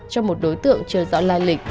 cho một đối tượng chưa rõ la lịch